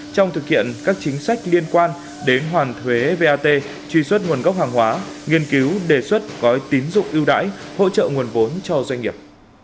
trong thực hiện các chính sách liên quan đến hoàn thuế vat truy xuất nguồn gốc hàng hóa nghiên cứu đề xuất gói tín dụng ưu đãi hỗ trợ nguồn vốn cho doanh nghiệp